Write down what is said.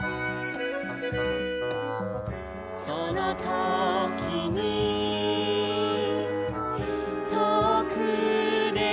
「そのときにとおくできこえた」